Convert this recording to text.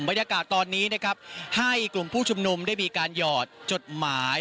บรรยากาศตอนนี้นะครับให้กลุ่มผู้ชุมนุมได้มีการหยอดจดหมาย